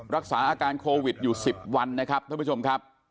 รักษาอาการโควิดอยู่๑๐วันนะครับท่านผู้ชมครับ